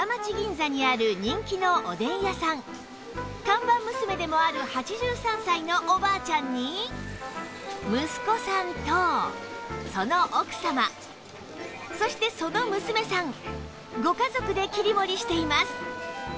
看板娘でもある８３歳のおばあちゃんに息子さんとその奥様そしてその娘さんご家族で切り盛りしています